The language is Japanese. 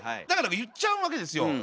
だから言っちゃうわけですよ。